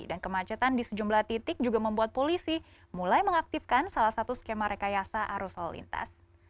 dan kemacetan di sejumlah titik juga membuat polisi mulai mengaktifkan salah satu skema rekayasa arus lalu lintas